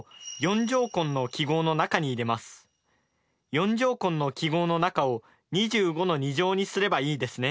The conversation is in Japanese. ４乗根の記号の中を２５の２乗にすればいいですね。